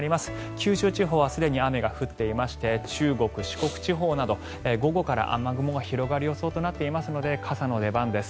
九州地方はすでに雨が降っていまして中国・四国地方など午後から雨雲が広がる予想となっていますので傘の出番です。